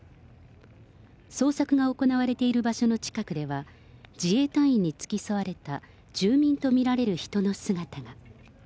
捜索が行われている場所の近くでは、自衛隊員に付き添われた住民と見られる人の姿が。